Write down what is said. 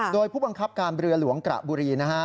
โดยผู้บังคับการเรือหลวงกระบุรีนะฮะ